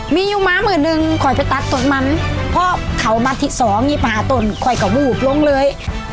มีอยู่ม้ามือหนึ่งคอยไปตัดตนมันพอเขามันที่สองนี่ป่าตนคอยกระบูหุบลงเลย